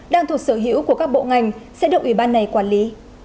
đang thuộc sở hữu của các bộ ngành sẽ được ủy ban này quản lý